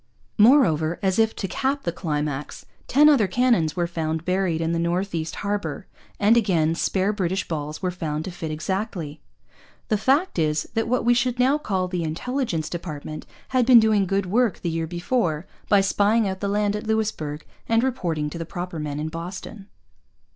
Moreover, as if to cap the climax, ten other cannon were found buried in the North East Harbour; and again spare British balls were found to fit exactly! The fact is that what we should now call the Intelligence Department had been doing good work the year before by spying out the land at Louisbourg and reporting to the proper men in Boston.